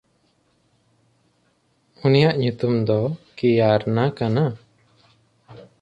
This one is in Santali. ᱩᱱᱤᱭᱟᱜ ᱧᱩᱛᱩᱢ ᱫᱚ ᱠᱤᱭᱟᱨᱱᱟ ᱠᱟᱱᱟ᱾